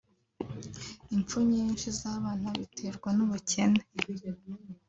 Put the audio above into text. impfu nyinshi z’abana biterwa n’ubukene